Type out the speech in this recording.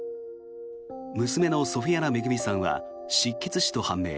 娘のソフィアナ恵さんは失血死と判明。